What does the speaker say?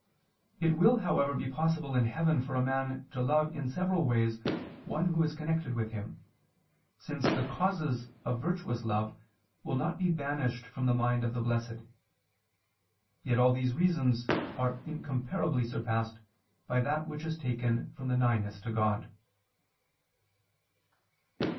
It will however be possible in heaven for a man to love in several ways one who is connected with him, since the causes of virtuous love will not be banished from the mind of the blessed. Yet all these reasons are incomparably surpassed by that which is taken from nighness to God.